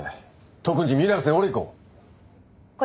特に皆瀬織子。